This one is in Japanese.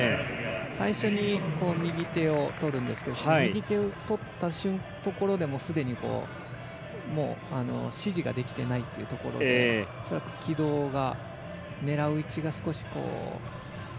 最初に右手をとるんですけど右手を取ったところでもうすでに支持ができていないというところで、軌道が狙う位置が少し。